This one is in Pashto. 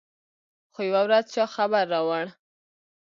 خو يوه ورځ چا خبر راوړ.